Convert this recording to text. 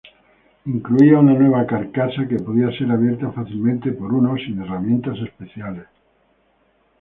Incluía una nueva carcasa que podía ser abierta fácilmente por uno, sin herramientas especiales.